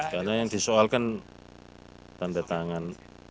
karena yang disoalkan tanda tangan